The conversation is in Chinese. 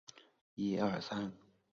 就让那个王子去晃动吧！